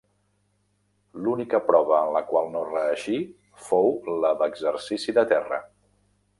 L'única prova en la qual no reeixí fou la d'exercici de terra.